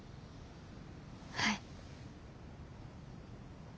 はい。